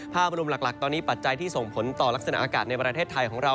ภาพรวมหลักตอนนี้ปัจจัยที่ส่งผลต่อลักษณะอากาศในประเทศไทยของเรา